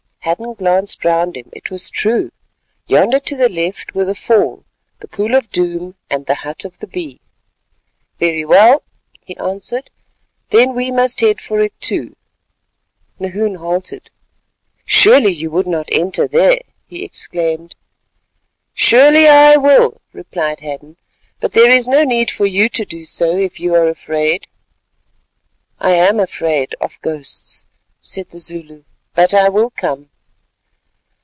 Hadden glanced round him. It was true; yonder to the left were the Fall, the Pool of Doom, and the hut of the Bee. "Very well," he answered; "then we must head for it too." Nahoon halted. "Surely you would not enter there," he exclaimed. "Surely I will," replied Hadden, "but there is no need for you to do so if you are afraid." "I am afraid—of ghosts," said the Zulu, "but I will come."